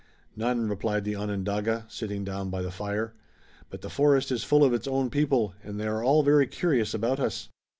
"None," replied the Onondaga, sitting down by the fire. "But the forest is full of its own people, and they are all very curious about us."